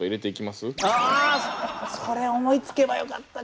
それ思いつけばよかった！